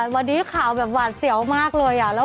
วันนี้ข่าวแบบหวาดเสียวมากเลย